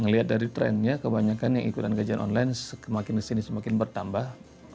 melihat dari trennya kebanyakan yang ikutan gajian online semakin kesini semakin bertambah